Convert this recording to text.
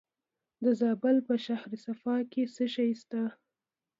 د زابل په شهر صفا کې څه شی شته؟